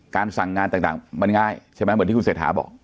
การสั่งงานต่างมันง่ายเป็นที่คุณเศรษฐาบอก